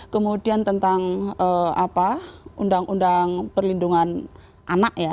kemudian tentang undang undang perlindungan anak ya